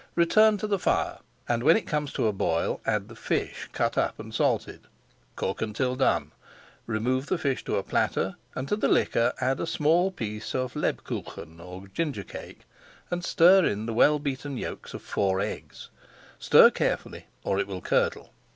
Return to the fire, and when it comes to a boil, add the fish, cut up and salted. Cook until done, remove the fish to a platter, and to the liquor add a small piece of Leb kuchen or ginger cake, and stir in the well beaten yolks of four eggs; stir carefully or it will curdle.